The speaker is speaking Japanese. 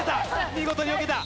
見事によけた。